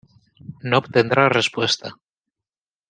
No obtendrá respuesta.